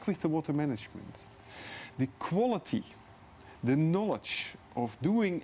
pengetahuan untuk melakukan penyelesaian tindakan lingkungan yang baik